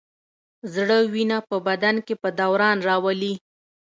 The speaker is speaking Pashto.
زړه وینه په بدن کې په دوران راولي.